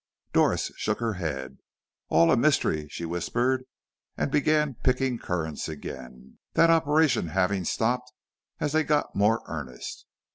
Doris shook her head. "All a mystery," she whispered, and began picking currants again, that operation having stopped as they got more earnest.